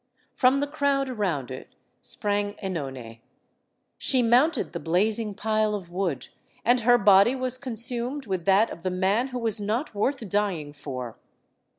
From the crowd around it sprang CEnone. She mounted the blazing pile of wood, and her body was con sumed with that of the man who was not worth dying for.